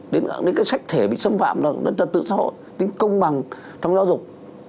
đến các sách thể bị xâm phạm tự xã hội tính công bằng trong giáo dục